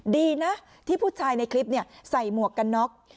ดีนะที่ผู้ชายในคลิปใส่หมวกกันน็อก